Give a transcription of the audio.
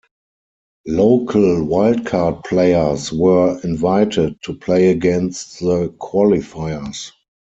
Local wild-card players were invited to play against the qualifiers.